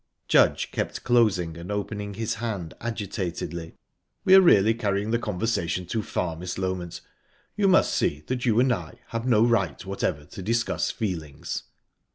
Judge kept closing and opening his hand agitatedly. "We are really carrying the conversation too far, Miss Loment. You must see that you and I have no right whatever to discuss feelings."